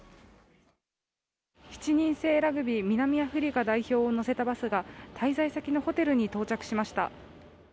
７人制ラグビー南アフリカ代表を乗せたバスが滞在先のホテルに到着しました。